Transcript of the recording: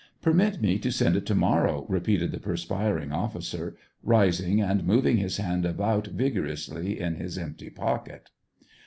" Permit me to send it to morrow," repeated the perspiring officer, rising, and moving his hand about vigorously in his empty pocket.